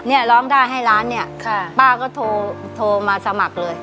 ล้อเล่นให้ล้านเนี่ยป้าก็โทรมาสมัครเลย